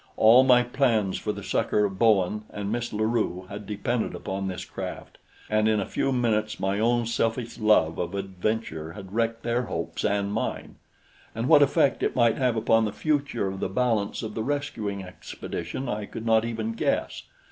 All my plans for the succor of Bowen and Miss La Rue had depended upon this craft, and in a few brief minutes my own selfish love of adventure had wrecked their hopes and mine. And what effect it might have upon the future of the balance of the rescuing expedition I could not even guess.